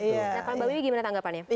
nah mbak wimpy gimana tanggapannya